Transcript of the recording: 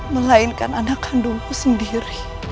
melainkan anak kandungku sendiri